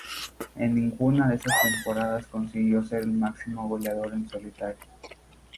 En ninguna de esas temporadas consiguió ser el máximo goleador en solitario.